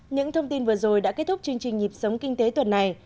những thông tin vừa rồi đã kết thúc chương trình nhịp sống kinh tế tuần này